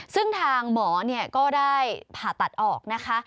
ซึ่งทางหมอก็ได้ผ่าตัดออกนะคะ